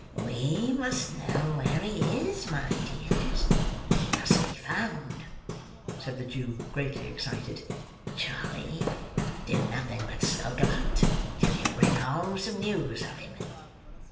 "We must know where he is, my dears; he must be found," said the Jew greatly excited. "Charley, do nothing but skulk about, till you bring home some news of him!